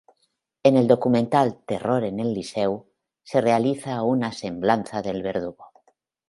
En el documental "Terror en el Liceu" se realiza una semblanza del verdugo.